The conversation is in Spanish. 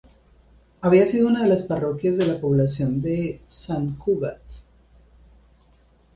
Había sido una de las parroquias de la población de Sant Cugat.